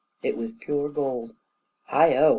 It was pure gold. "Heigho!